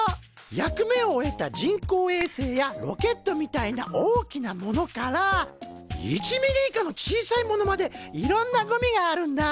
役目を終えた人工衛星やロケットみたいな大きなものから１ミリ以下の小さいものまでいろんなゴミがあるんだ。